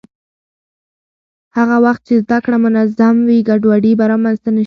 هر وخت چې زده کړه منظم وي، ګډوډي به رامنځته نه شي.